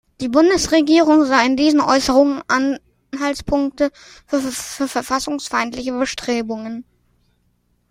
Die Bundesregierung sah in diesen Äußerungen Anhaltspunkte für verfassungsfeindliche Bestrebungen.